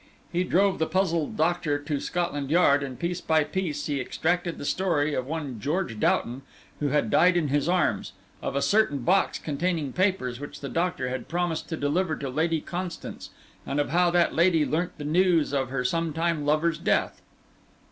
He drove the puzzled doctor to Scotland Yard, and piece by piece he extracted the story of one George Doughton who had died in his arms, of a certain box containing papers which the doctor had promised to deliver to Lady Constance, and of how that lady learnt the news of her sometime lover's death.